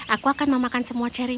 aku akan memakan semua charing